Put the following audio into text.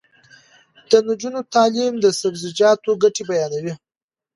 د نجونو تعلیم د سبزیجاتو ګټې بیانوي.